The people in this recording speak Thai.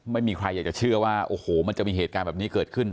ไม่มีใครอยากจะเชื่อว่าโอ้โหมันจะมีเหตุการณ์แบบนี้เกิดขึ้น